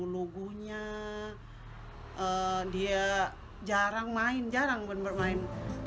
lugunya dia jarang main jarang bener bener main